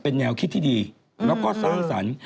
เป็นแนวคิดที่ดีแล้วก็สร้างสรรค์